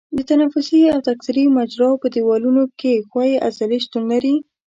د تنفسي او تکثري مجراوو په دیوالونو کې ښویې عضلې شتون لري.